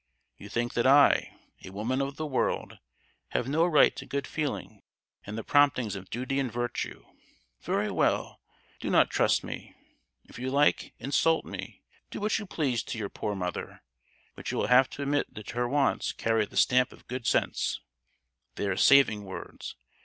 You think that I, a woman of the world, have no right to good feeling and the promptings of duty and virtue. Very well, do not trust me, if you like: insult me, do what you please to your poor mother; but you will have to admit that her words carry the stamp of good sense,—they are saving words!